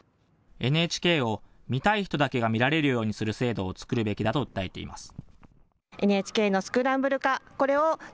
ＮＨＫを見たい人だけが見られるようにする制度を作るべきだと訴えています。